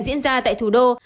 dịch bệnh diễn ra tại thủ đô